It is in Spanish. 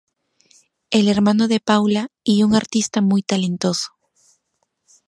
El hermano de Paula y un artista muy talentoso.